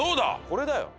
これだよ。